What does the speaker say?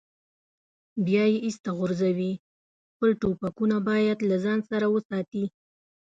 بیا یې ایسته غورځوي، خپل ټوپکونه باید له ځان سره وساتي.